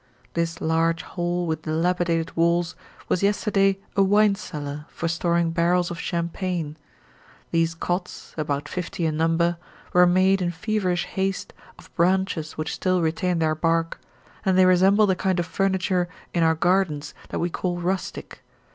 This large hall with dilapidated walls was yesterday a wine cellar for storing barrels of champagne; these cots about fifty in number were made in feverish haste of branches which still retain their bark, and they resemble the kind of furniture in our gardens that we call rustic.